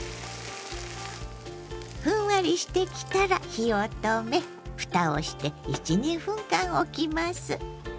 ふんわりしてきたら火を止めふたをして１２分間おきます。